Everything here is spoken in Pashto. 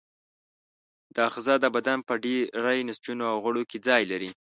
دا آخذه د بدن په ډېری نسجونو او غړو کې ځای لري.